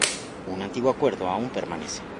Un antiguo acueducto aún permanece.